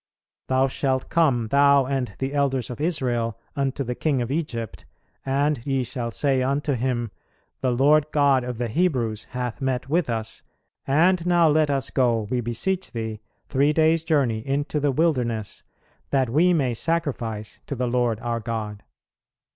"Thou shalt come, thou and the elders of Israel unto the King of Egypt, and ye shall say unto him, The Lord God of the Hebrews hath met with us, and now let us go, we beseech thee, three days' journey into the wilderness, that we may sacrifice to the Lord our God."